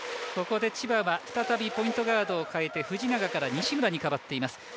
ここで千葉は再びポイントガードを代えて藤永から西村に代わっています。